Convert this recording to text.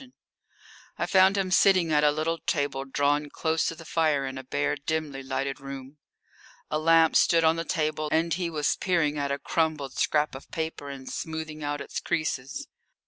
I found him sitting at a little table drawn close to the fire in a bare, dimly lighted room. A lamp stood on the table, and he was peering at a crumpled scrap of paper and smoothing out its creases.